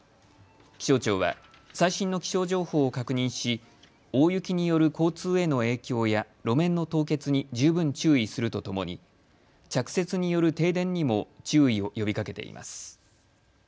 気象庁は最新の気象情報を確認し大雪による交通への影響や路面の凍結に十分注意するとともに着雪による停電にも注意を呼びかけています。